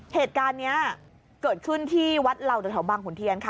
เหตุการณ์นี้เกิดขึ้นที่วัดเหล่าแถวบางขุนเทียนค่ะ